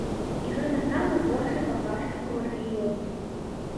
І гэта самы горшы паказчык у рэгіёне.